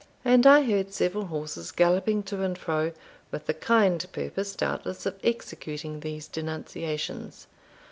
And I heard several horses galloping to and fro, with the kind purpose, doubtless, of executing these denunciations.